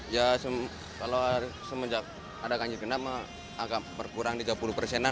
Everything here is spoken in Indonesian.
ya kalau semenjak ada ganjil genap agak berkurang tiga puluh persenan